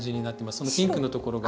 そのピンクのところが。